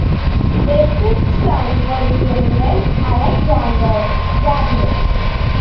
Their fifth son was General Alexander Gagarin.